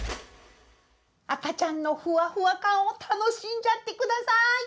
赤ちゃんのフワフワ感を楽しんじゃってください！